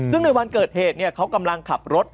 ซึ่งในวันเกิดเหตุเขากำลังขับรถ